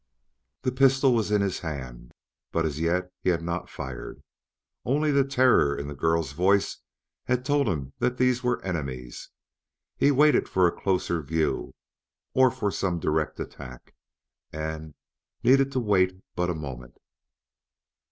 The pistol was in his hand, but as yet he had not fired. Only the terror in the girl's voice had told him that these were enemies; he waited for a closer view or for some direct attack, and needed to wait but a moment.